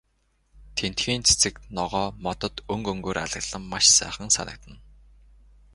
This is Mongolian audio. Тэндхийн цэцэг ногоо, модод өнгө өнгөөр алаглан маш сайхан санагдана.